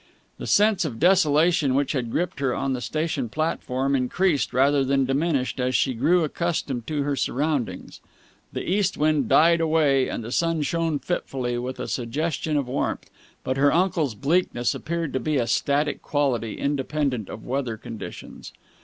The sense of desolation which had gripped her on the station platform increased rather than diminished as she grew accustomed to her surroundings. The east wind died away, and the sun shone fitfully with a suggestion of warmth, but her uncle's bleakness appeared to be a static quality, independent of weather conditions.